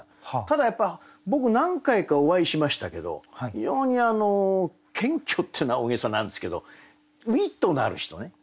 ただやっぱ僕何回かお会いしましたけど非常に謙虚ってのは大げさなんですけどウイットのある人ね。